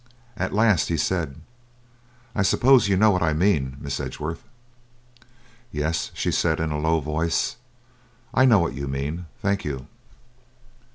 At last he said: "'I suppose you know what I mean, Miss Edgeworth?' "'Yes,' she said, in a low voice. 'I know what you mean, thank you.'